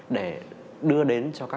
để đưa đến cho các bạn